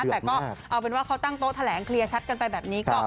แต่ก็เอาเป็นว่าเขาตั้งโต๊ะแถลงเคลียร์ชัดกันไปแบบนี้